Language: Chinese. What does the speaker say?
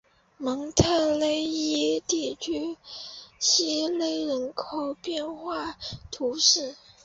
蒙特勒伊地区希勒人口变化图示